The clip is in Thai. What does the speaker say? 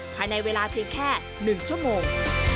ภายในเวลาเพียงแค่๑ชั่วโมง